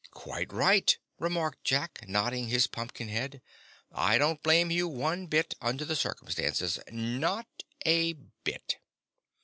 "Quite right," remarked Jack, nodding his pumpkin head. "I don't blame you one bit, under the circumstances. Not a bit."